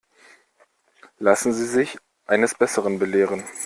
Lassen Sie sich eines Besseren belehren.